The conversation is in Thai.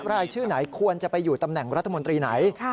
รายชื่อไหนควรจะไปอยู่ตำแหน่งรัฐมนตรีไหน